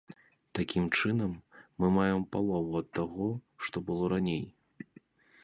Такім чынам, мы маем палову ад таго, што было раней.